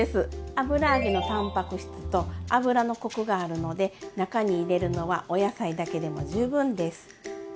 油揚げのたんぱく質と油のコクがあるので中に入れるのはお野菜だけでも十分です！